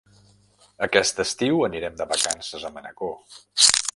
Aquest estiu anirem de vacances a Manacor.